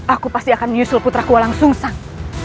aku pasti akan menyusul putraku langsung sang